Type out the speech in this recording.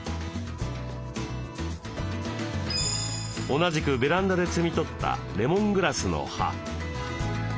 同じくベランダで摘み取ったレモングラスの葉。